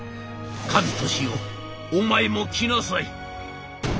一俊よお前も来なさい」。